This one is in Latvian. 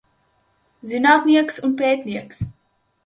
Zin?tnieks un p?tnieks.